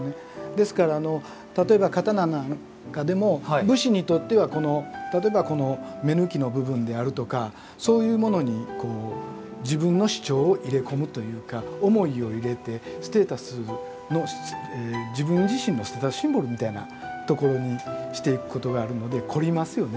ですから例えば刀なんかでも武士にとっては例えばこの目貫の部分であるとかそういうものに自分の主張を入れ込むというか思いを入れてステータスの自分自身のステータスシンボルみたいなところにしていくことがあるので凝りますよね